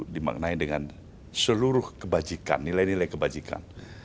dimaknai dengan seluruh kebajikan nilai nilai kebajikan